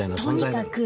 とにかく！